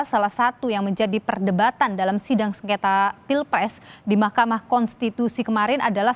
salah satu yang menjadi perdebatan dalam sidang sengketa pilpres di mahkamah konstitusi kemarin adalah